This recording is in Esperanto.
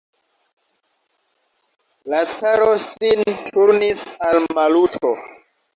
La caro sin turnis al Maluto.